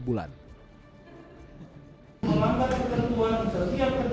memanggap ketentuan setiap kendaraan angkutan barang